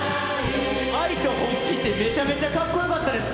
愛と本気ってめちゃめちゃかっこよかったです。